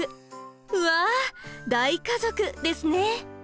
うわ大家族ですね。